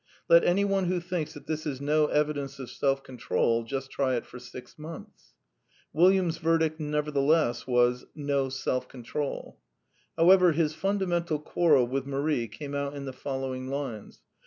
Let anyone who thinks that this is no evidence of self control just try it for six months. William's verdict nevertheless was " No self control." However, his fundamental quarrel with Marie came out in the following lines.